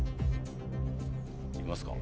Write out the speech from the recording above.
いきますか。